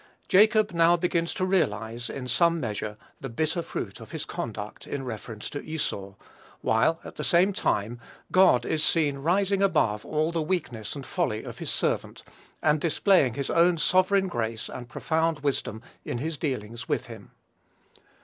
Jacob now begins to realize, in some measure, the bitter fruit of his conduct, in reference to Esau; while, at the same time, God is seen rising above all the weakness and folly of his servant, and displaying his own sovereign grace and profound wisdom in his dealings with him.